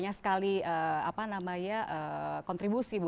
pasangnova ini di pelikul